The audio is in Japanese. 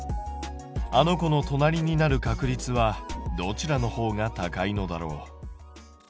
あの子の隣になる確率はどちらの方が高いのだろう？